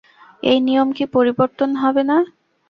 এই নিয়ম কি পরিবর্তন হবে না?